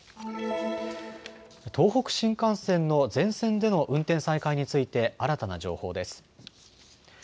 東北新幹線の全線での運転再開について新たな情報です。